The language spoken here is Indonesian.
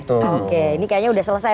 oke ini kayaknya sudah selesai